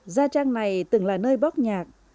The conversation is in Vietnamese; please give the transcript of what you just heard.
gia trang này từng là nơi bóp nhạc